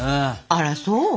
あらそう？